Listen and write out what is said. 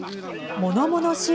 ものものしい